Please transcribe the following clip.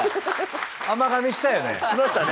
甘がみしたよね？